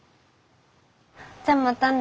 じゃまたね。